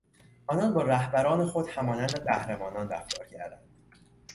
آنان با رهبران خود همانند قهرمانان رفتار کردند.